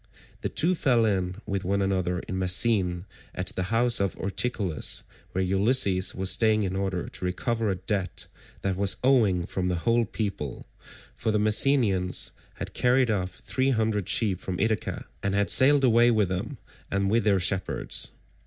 The two fell in with one another in Messene at the house of Ortilochus, where Ulysses was staying in order to recover a debt that was owing from the whole people; for the Messenians had carried off three hundred sheep from Ithaca, and had sailed away with them and with their shepherds.